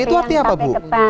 tapenya tapi apa bu